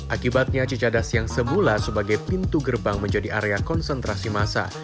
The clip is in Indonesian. akibatnya cicadas yang semula sebagai pintu gerbang menjadi area konsentrasi massa